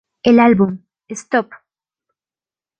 El álbum "Stop!